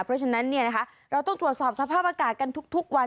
เพราะฉะนั้นเราต้องตรวจสอบสภาพอากาศกันทุกวัน